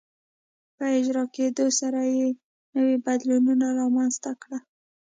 په اجرا کېدو سره یې نوي بدلونونه رامنځته کېدل.